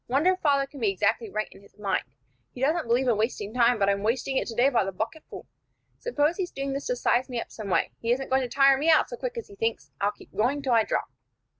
Wonder if father can be exactly right in his mind. He doesn't believe in wasting time, but I'm wasting it today by the bucketful. Suppose he's doing this to size me up some way; he isn't going to tire me out so quick as he thinks. I'll keep going till I drop."